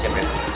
terima kasih pak